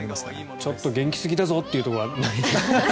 ちょっと元気すぎだぞというところはないですか。